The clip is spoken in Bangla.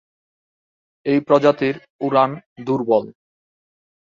এই প্রজাতির উড়ান দূর্বল।